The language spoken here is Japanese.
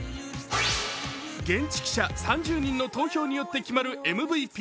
現地記者３０人の投票によって決まるＭＶＰ。